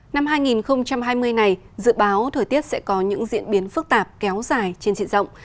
năm hai nghìn hai mươi này dự báo thời tiết sẽ có những diễn biến phức tạp kéo dài trên diện rộng